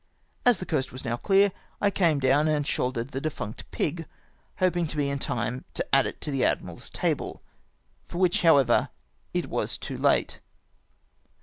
As the coast was now clear, I came down and shouldered the deftmct pig, hoping to be in time to add it to the admiral's table, for which, however,, it was too late. v4 72 A DINNEE ASHORE.